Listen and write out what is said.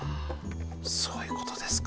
そういうことですか。